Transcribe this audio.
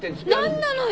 何なのよ！